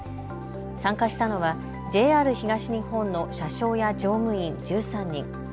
参加したのはＪＲ東日本の車掌や乗務員１３人。